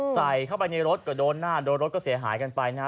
ใส่เข้าไปในรถก็โดนหน้าโดนรถก็เสียหายกันไปนะฮะ